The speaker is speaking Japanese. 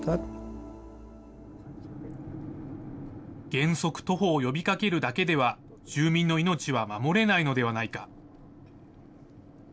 原則徒歩を呼びかけるだけでは、住民の命は守れないのではないか。